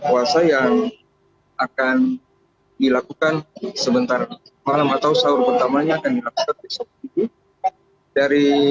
jika tidak mereka akan dilakukan di malam atau saat pertama